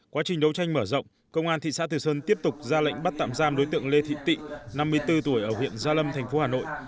quá trình đấu tranh mở rộng công an thị xã từ sơn tiếp tục ra lệnh bắt tạm giam đối tượng lê thị tị năm mươi bốn tuổi ở huyện gia lâm thành phố hà nội